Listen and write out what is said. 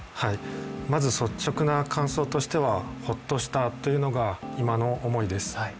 まず率直な感想としてはホッとしたというのが今の思いです。